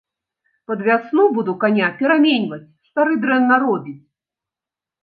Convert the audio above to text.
Пад вясну буду каня пераменьваць, стары дрэнна робіць.